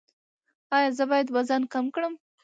ایا زه باید وزن کم کړم؟